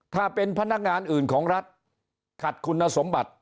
ถ้าเป็นพนักงานอื่นของรัฐขัดคุณสมบัติ